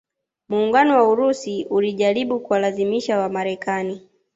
Muungano wa Urusi ulijaribu kuwalazimisha Wamarekani